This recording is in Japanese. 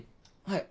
はい。